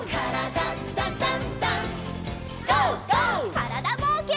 からだぼうけん。